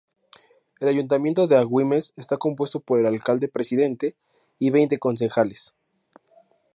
El ayuntamiento de Agüimes está compuesto por el alcalde-presidente y veinte concejales.